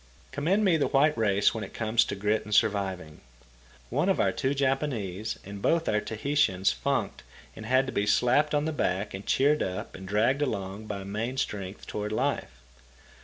Commend me the white race when it comes to grit and surviving. One of our two Japanese and both our Tahitians funked and had to be slapped on the back and cheered up and dragged along by main strength toward life.